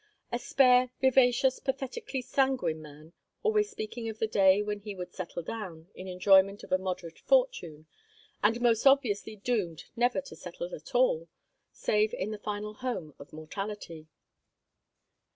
A spare, vivacious, pathetically sanguine man, always speaking of the day when he would "settle down" in enjoyment of a moderate fortune, and most obviously doomed never to settle at all, save in the final home of mortality.